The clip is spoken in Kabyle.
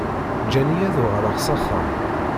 Ǧǧan-iyi ad uɣaleɣ s axxam.